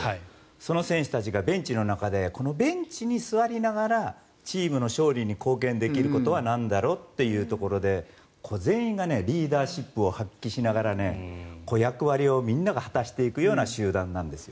その選手たちがベンチの中でベンチに座りながらチームの勝利に貢献できることはなんだろうというところで全員がリーダーシップを発揮しながら役割をみんなが果たしていくような集団なんですよ。